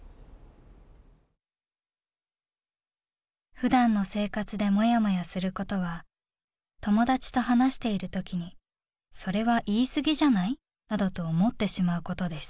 「普段の生活でもやもやすることは、友達と話している時にそれは言い過ぎじゃない？などと思ってしまうことです」。